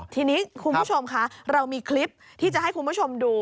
ทีนี้คุณผู้ชมคะเรามีคลิปที่จะให้คุณผู้ชมดู